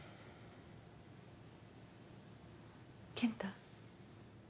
健太？